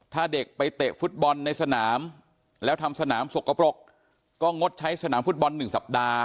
ถ้าเด็กไปเตะฟุตบอลในสนามแล้วทำสนามสกปรกก็งดใช้สนามฟุตบอล๑สัปดาห์